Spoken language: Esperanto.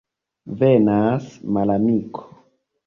Venas malamiko!